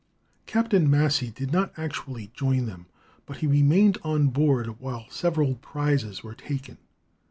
Captain Massey did not actually join them, but he remained on board while several prizes were taken.